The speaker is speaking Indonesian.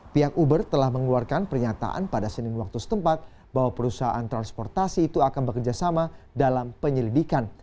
pihak uber telah mengeluarkan pernyataan pada senin waktu setempat bahwa perusahaan transportasi itu akan bekerjasama dalam penyelidikan